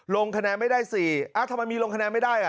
ลงคะแนนไม่ได้๔ทำไมมีลงคะแนนไม่ได้